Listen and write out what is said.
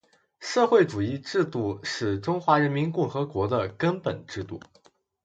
社会主义制度是中华人民共和国的根本制度